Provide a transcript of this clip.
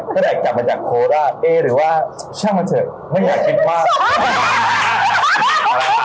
ก็เลยกลับมาจากโคลท์อ่ะเอ๊หรือว่าช่างมาเถอะไม่อยากรี๊กมาก